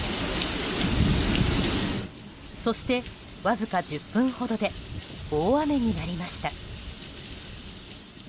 そして、わずか１０分ほどで大雨になりました。